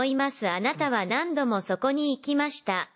「あなたは何度もそこに行きました」